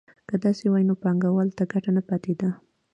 که داسې وای نو بانکوال ته ګټه نه پاتېده